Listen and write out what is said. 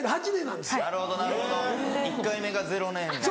なるほどなるほど１回目がゼロ年やから。